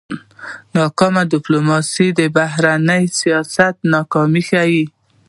ناکامه ډيپلوماسي د بهرني سیاست ناکامي ښيي.